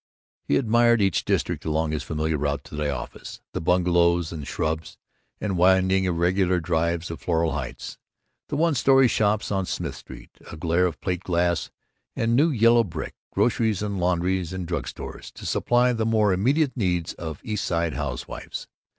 He admired each district along his familiar route to the office: The bungalows and shrubs and winding irregular driveways of Floral Heights. The one story shops on Smith Street, a glare of plate glass and new yellow brick; groceries and laundries and drug stores to supply the more immediate needs of East Side housewives.